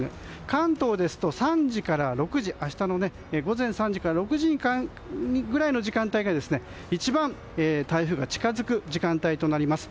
関東ですと明日の午前３時から６時ぐらいの時間帯が一番台風が近づく時間帯となります。